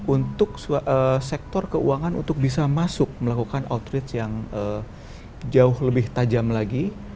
untuk sektor keuangan untuk bisa masuk melakukan outreach yang jauh lebih tajam lagi